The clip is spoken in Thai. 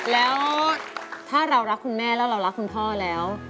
แล้วถ้าเรารักคุณแม่แล้วเรารักคุณพ่อแล้ว